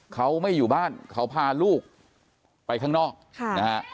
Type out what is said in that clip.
เขาไม่อยู่บ้านเขาพาลูกไปข้างนอกนะฮะ